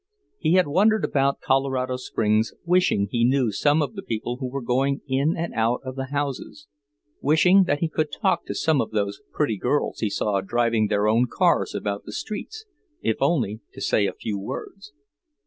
He had wandered about Colorado Springs wishing he knew some of the people who were going in and out of the houses; wishing that he could talk to some of those pretty girls he saw driving their own cars about the streets, if only to say a few words.